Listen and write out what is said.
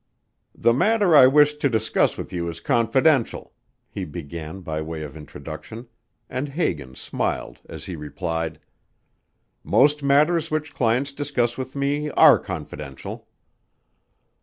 "The matter I wish to discuss with you is confidential," he began by way of introduction, and Hagan smiled as he replied, "Most matters which clients discuss with me, are confidential."